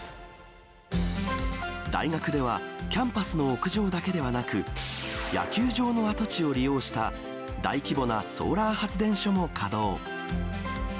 大学では、キャンパスの屋上だけではなく、野球場の跡地を利用した大規模なソーラー発電所も稼働。